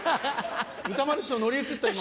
歌丸師匠乗り移った今。